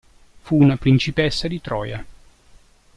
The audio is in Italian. Fu una principessa di Troia.